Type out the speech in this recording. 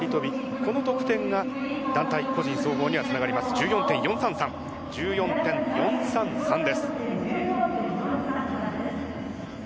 この得点が団体、個人総合につながります。１４．４３３です。